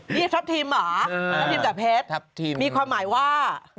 นี่ทับทิมเหรอทับทิมกับเพชรมีความหมายว่าทับทิม